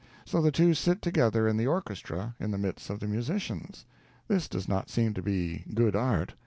So the two sit together in the orchestra, in the midst of the musicians. This does not seem to be good art.